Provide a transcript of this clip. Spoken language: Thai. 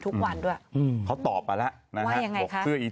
ทุกวันด้วยอืมเขาตอบไปแล้วนะฮะว่ายังไงค่ะเพื่ออี